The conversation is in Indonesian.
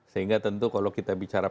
sehingga tentu kalau kita bicara